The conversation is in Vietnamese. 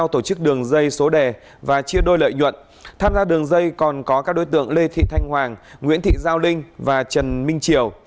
trong các đường dây còn có các đối tượng lê thị thanh hoàng nguyễn thị giao linh và trần minh triều